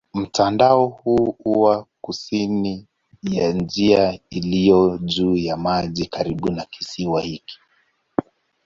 Mtandao huu huwa kusini ya njia iliyo juu ya maji karibu na kisiwa hiki.